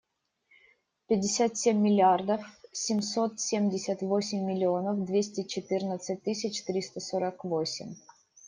Пятьдесят семь миллиардов семьсот семьдесят восемь миллионов двести четырнадцать тысяч триста сорок восемь.